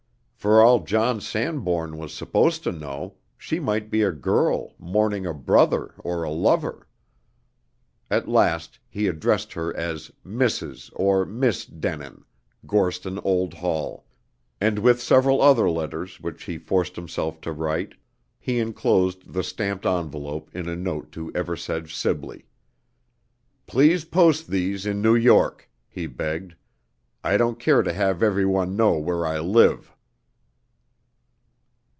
For all John Sanbourne was supposed to know, she might be a girl, mourning a brother or a lover. At last he addressed her as "Mrs. or Miss Denin, Gorston Old Hall." And with several other letters which he forced himself to write, he enclosed the stamped envelope in a note to Eversedge Sibley. "Please post these in New York," he begged. "I don't care to have every one know where I live."